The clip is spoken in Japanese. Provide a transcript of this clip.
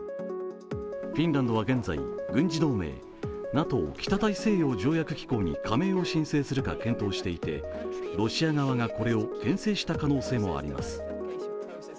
フィンランドは現在、軍事同盟、ＮＡＴＯ＝北大西洋条約機構に加盟を申請するか検討していてロシア側がこれをけん制した可能性もあります。